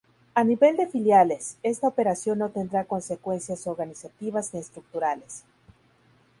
A nivel de filiales, esta operación no tendrá consecuencias organizativas ni estructurales.